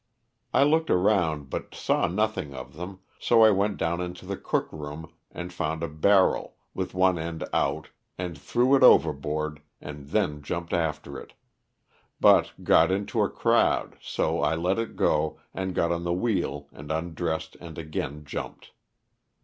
I looked around but saw nothing of them, so I went down into the cook room and found a barrel, with one end out, and threw it overboard and then jumped after it; but got into a crowd, so I let it go and got on the wheel and undressed and again jumped.